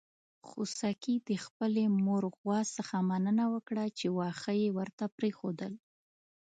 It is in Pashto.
خوسکي د خپلې مور غوا څخه مننه وکړه چې واښه يې ورته پرېښودل.